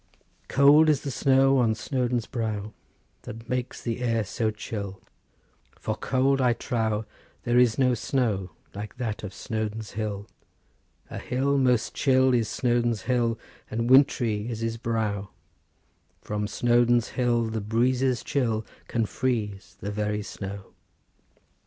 "'Cold is the snow on Snowdon's brow, It makes the air so chill; For cold, I trow, there is no snow Like that of Snowdon's hill. "'A hill most chill is Snowdon's hill, And wintry is his brow; From Snowdon's hill the breezes chill Can freeze the very snow.